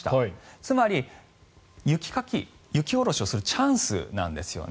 つまり、雪かき、雪下ろしをするチャンスなんですよね。